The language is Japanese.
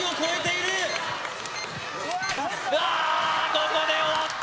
ここで終わった！